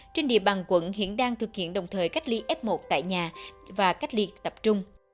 trên địa bàn quận hiện đang thực hiện đồng thời cách ly f một tại nhà và cách ly tập trung